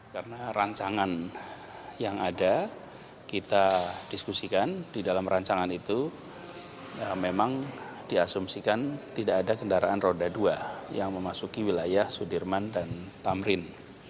karena rancangan yang ada kita diskusikan di dalam rancangan itu memang diasumsikan tidak ada kendaraan roda dua yang memasuki wilayah sudirman dan tamrin